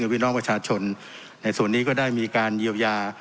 พี่น้องประชาชนในส่วนนี้ก็ได้มีการเยียวยา